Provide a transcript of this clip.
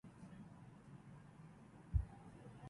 پری شانگ